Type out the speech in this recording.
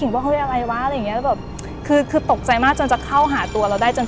กิ่งบอกเฮ้ยอะไรวะอะไรอย่างนี้แบบคือตกใจมากจนจะเข้าหาตัวเราได้